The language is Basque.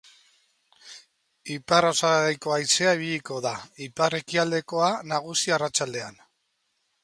Ipar-osagaiko haizea ibiliko da, ipar-ekialdekoa nagusi arratsaldean.